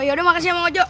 oh ya udah makasih angojo